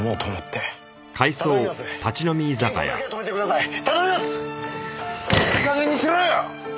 いい加減にしろよ！